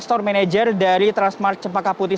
store manager dari transmart cempaka putih